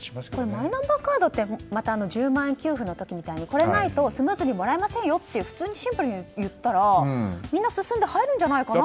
マイナンバーカードって１０万円給付の時みたいにスムーズにもらえませんよとシンプルに言ったらみんな進んで入るんじゃないかと。